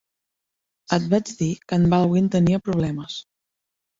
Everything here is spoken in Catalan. Et vaig dir que en Baldwin tenia problemes.